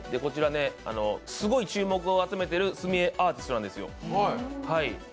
すごい注目を集めている墨絵アーティストなんですよ。